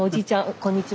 こんにちは。